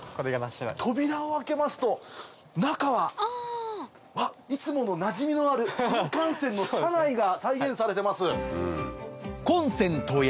扉を開けますと中はいつものなじみのある新幹線の車内が再現されてます。